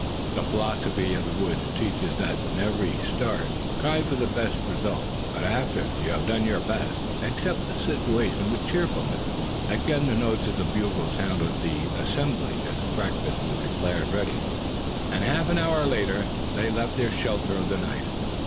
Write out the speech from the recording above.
The philosophy of the woods teaches that in the very start try for the best results; but after you have done your best, accept the situation with cheerfulness. Again the notes of the bugle sounded the "assembly," as breakfast was declared ready; and half an hour later they left their shelter of the night.